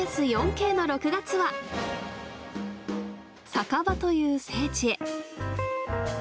酒場という聖地へ。